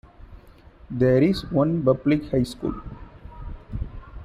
There is one public high school.